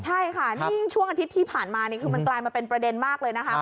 ใช่ค่ะนี่ยิ่งช่วงอาทิตย์ที่ผ่านมานี่คือมันกลายมาเป็นประเด็นมากเลยนะคะ